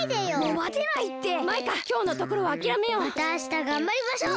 またあしたがんばりましょう！